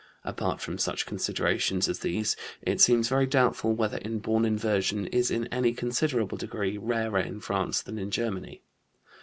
Apart from such considerations as these it seems very doubtful whether inborn inversion is in any considerable degree rarer in France than in Germany.